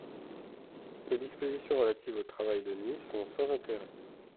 Les dispositions relatives au travail de nuit sont sans intérêt.